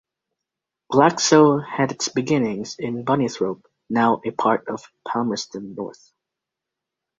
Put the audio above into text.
Glaxo had its beginnings in Bunnythorpe, now a part of Palmerston North.